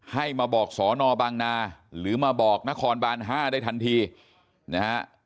ให้มาบอกสนบางนาหรือมาบอกณคบ๕ได้ทันทีนะครับ